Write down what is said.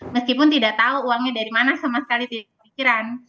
meskipun tidak tahu uangnya dari mana sama sekali tidak pikiran